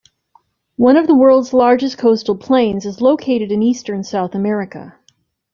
One of the world's largest coastal plains is located in eastern South America.